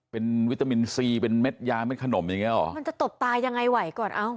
เป็นวิตามินซีเป็นเม็ดยาเม็ดขนมอย่างเงี้หรอมันจะตบตายังไงไหวก่อนเอ้า